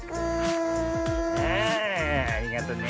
ああありがとね。